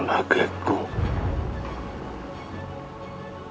aku harus segera mendapatkan